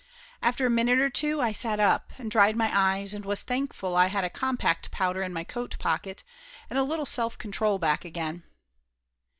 After a minute or two I sat up and dried my eyes and was thankful I had a com pact powder in my coat pocket, and a little self control back again.